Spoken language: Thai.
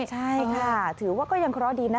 ใช่ค่ะถือว่าก็ยังเคราะห์ดีนะ